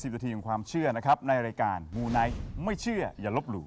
นาทีของความเชื่อนะครับในรายการมูไนท์ไม่เชื่ออย่าลบหลู่